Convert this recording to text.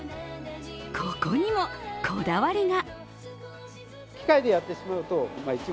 ここにも、こだわりが。